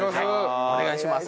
お願いします。